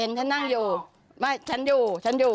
ฉันนั่งอยู่ไม่ฉันอยู่ฉันอยู่